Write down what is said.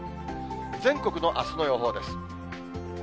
全国のあすの予報です。